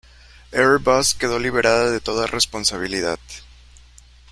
Airbus quedó liberada de toda responsabilidad.